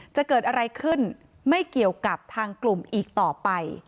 จะเกิดอะไรขึ้นไม่เกี่ยวกับทางกลุ่มอีกต่อไป